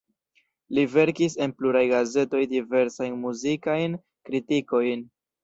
Li verkis en pluraj gazetoj diversajn muzikajn kritikojn.